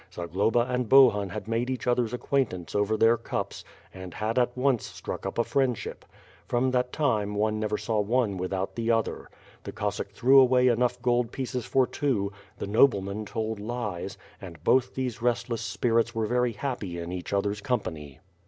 Zagloba and Bohun had made each other's acquaintance over their cups and had at once struck up a friendship. From that time one never saw one without the other. The Cossack threw away enough gold pieces for two; the nobleman told lies, and both these restless spirits were very happy in each other's company.